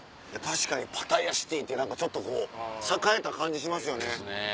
確かに「パタヤシティー」って何かちょっとこう栄えた感じしますよね。